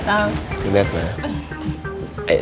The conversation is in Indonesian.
semua udah sama papa soal